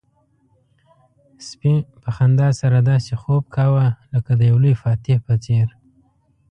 سپي په خندا سره داسې خوب کاوه لکه د یو لوی فاتح په څېر.